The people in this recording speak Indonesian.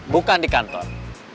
bukan di kantor